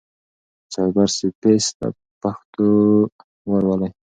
سايبر سپېس ته پښتو ورولئ.